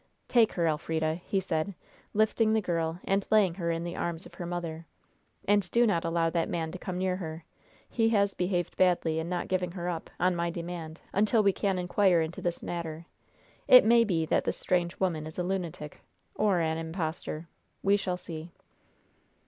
"Take her, Elfrida," he said, lifting the girl and laying her in the arms of her mother. "And do not allow that man to come near her. He has behaved badly in not giving her up, on my demand, until we can inquire into this matter. It may be that this strange woman is a lunatic, or an impostor. We shall see."